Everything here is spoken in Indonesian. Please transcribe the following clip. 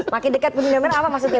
makin dekat pun benar benar apa maksudnya